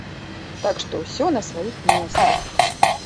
Так што ўсё на сваіх месцах.